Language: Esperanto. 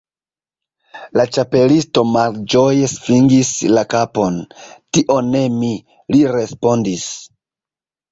La Ĉapelisto malĝoje svingis la kapon. "Tion ne mi," li respondis."